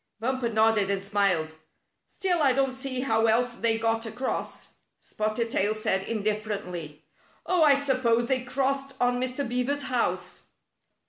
Bumper nodded and smiled. ''Still, I don't see how else they got across." Spotted Tail said indifferently: " Oh, I suppose they crossed on Mr. Beaver's house."